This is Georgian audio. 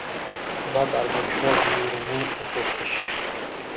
ტბა წარმოიშვა ვიურმულ ეპოქაში.